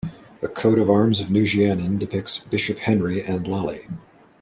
The coat of arms of Nousiainen depicts Bishop Henry and Lalli.